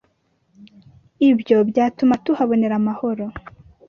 ibyo byatuma tuhabonera amahoro"